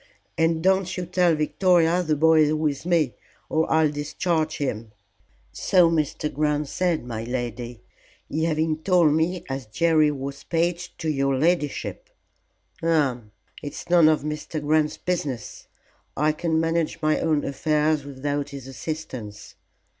"And don't you tell Victoria the boy is with me, or I'll discharge him." "So Mr. Grant said, my lady. He having told me as Jerry was page to your ladyship." "Hum! It's none of Mr. Grant's business. I can manage my own affairs without his assistance.